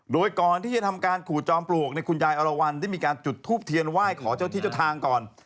โดยก่อนที่จะทำการขูดจอมปลวกคุณยายอรวรรณได้มีการจุดทูปเทียนไหว้ขอเจ้าที่เจ้าทางก่อน